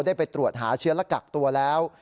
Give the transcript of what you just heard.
ได้ไปตรวจหาเชื้อและกักตัวแล้ว